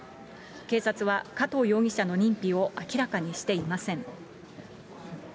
警察は加藤容疑者の認否を明らかにしていません。